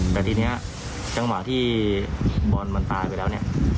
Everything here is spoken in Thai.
แต่ทีนี้จังหวะที่บอลมันตายไปแล้วเนี่ย